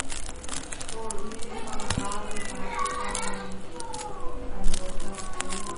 Fur i pangpar an par tikah ram an dawh ter khun.